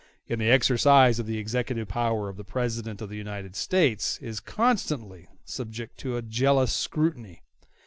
In the exercise of the executive power the President of the United States is constantly subject to a jealous scrutiny.